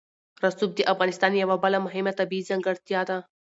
رسوب د افغانستان یوه بله مهمه طبیعي ځانګړتیا ده.